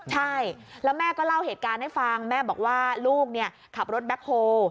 ใช่แล้วแม่ก็เล่าเหตุการณ์ให้ฟังแม่บอกว่าลูกขับรถแบ็คโฮ